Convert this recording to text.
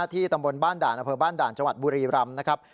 ที่ตำบลบ้านด่านอบ้านด่านจบุรีรำนะครับ